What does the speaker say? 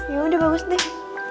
ya udah bagus deh